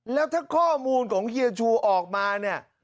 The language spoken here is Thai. แล้วถ้าข้อมูลของเฮียชูออกมาเนี่ย